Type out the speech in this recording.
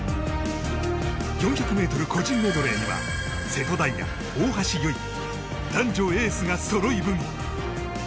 ４００ｍ個人メドレーには瀬戸大也、大橋悠依男女エースがそろい踏み。